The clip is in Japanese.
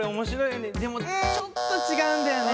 でもちょっとちがうんだよね。